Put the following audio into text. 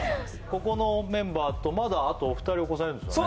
ここのメンバーとまだあとお二人お子さんいるんですよね？